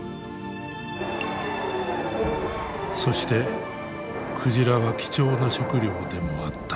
そして鯨は貴重な食料でもあった。